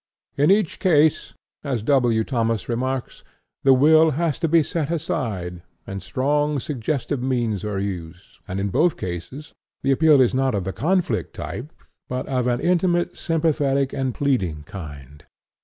"In each case," as W. Thomas remarks, "the will has to be set aside, and strong suggestive means are used; and in both cases the appeal is not of the conflict type, but of an intimate, sympathetic and pleading kind.